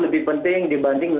lebih penting dibanding